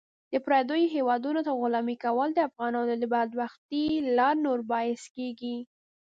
د پردیو هیوادونو ته غلامي کول د افغانانو د بدبختۍ لا نور باعث کیږي .